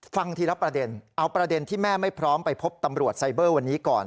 ฟังทีละประเด็นเอาประเด็นที่แม่ไม่พร้อมไปพบตำรวจไซเบอร์วันนี้ก่อน